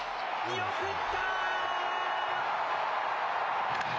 見送った！